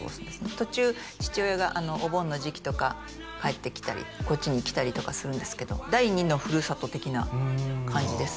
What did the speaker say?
途中父親がお盆の時期とか帰ってきたりこっちに来たりとかするんですけど第二のふるさと的な感じです